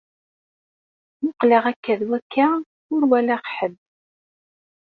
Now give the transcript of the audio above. Muqleɣ akka d wakka, ur walaɣ ḥedd.